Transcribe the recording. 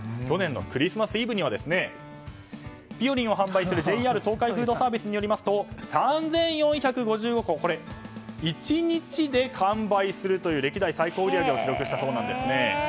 去年のクリスマスイブにはですねぴよりんを販売するジェイアール東海フードサービスによりますと３４５５個が１日で完売するという歴代最高売り上げを記録したそうなんですね。